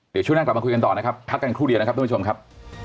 เดี๋ยวช่วงหน้ากลับมาคุยกันต่อนะครับพักกันครู่เดียวนะครับทุกผู้ชมครับ